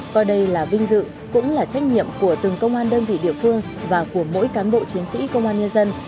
coi đây là vinh dự cũng là trách nhiệm của từng công an đơn vị địa phương và của mỗi cán bộ chiến sĩ công an nhân dân